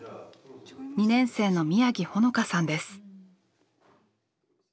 ２年生の宮城穂花さんです。